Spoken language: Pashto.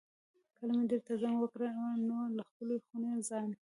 کله مې درته زنګ وکړ نو له خپلې خونې ځان.